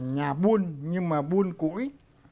nhà buôn nhưng mà buôn củi